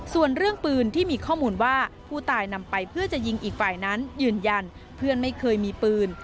ส่วนเรื่องปืนที่มีข้อมูลว่าผู้ตายนำไปเพื่อจะยิงอีกฝ่ายนั้นยืนยันเพื่อนไม่เคยมีปืน